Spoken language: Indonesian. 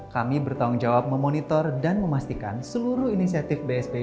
kami bertanggung jawab memonitor dan memastikan seluruh inisiatif bsbi